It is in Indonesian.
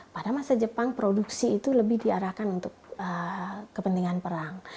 pada masa jepang produksi itu lebih diarahkan untuk kepentingan perang